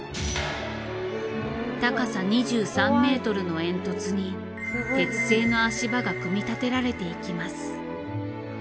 高さ２３ｍの煙突に鉄製の足場が組み立てられていきます。